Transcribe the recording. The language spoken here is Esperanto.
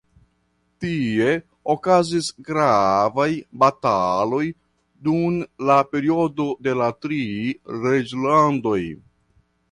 Tie okazis gravaj bataloj dum la periodo de la Tri Reĝlandoj.